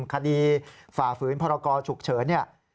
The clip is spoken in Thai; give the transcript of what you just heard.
คดีฝ่าฝืนพรกชุกเฉิน